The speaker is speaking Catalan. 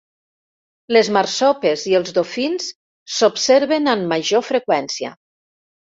Les Marsopes i els dofins s'observen amb major freqüència.